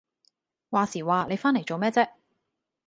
話時話你返嚟做咩啫？